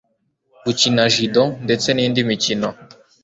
gukina judo ndetse nindi mikino